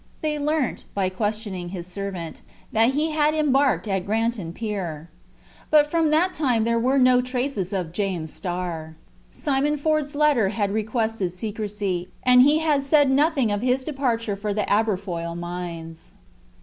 They learnt, by questioning his servant, that he had embarked at Granton Pier. But from that time there were no traces of James Starr. Simon Ford's letter had requested secrecy, and he had said nothing of his departure for the Aberfoyle mines.